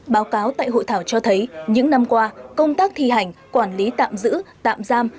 báo cáo tại hội thảo cho thấy những năm qua công tác thi hành quản lý tạm giữ tạm giam